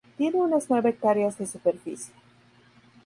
Tiene unas nueve hectáreas de superficie.